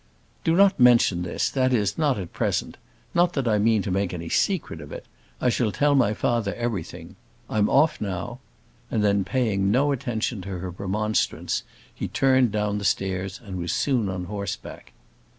"Do not mention this, that is, not at present; not that I mean to make any secret of it. I shall tell my father everything. I'm off now!" and then, paying no attention to her remonstrance, he turned down the stairs and was soon on horseback.